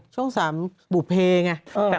ช่อง๓บุเพไง